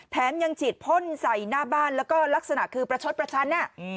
ยังฉีดพ่นใส่หน้าบ้านแล้วก็ลักษณะคือประชดประชัน